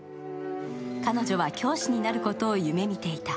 彼女は教師になることを夢見ていた。